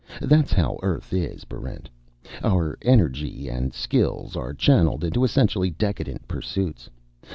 That's how Earth is, Barrent. Our energy and skills are channeled into essentially decadent pursuits.